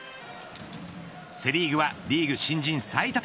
セ・リーグはリーグ新人最多